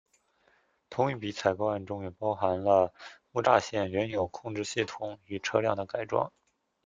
同一笔采购案中也包含了木栅线原有控制系统与车辆的改装。